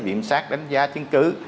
viện sát đánh giá chứng cứ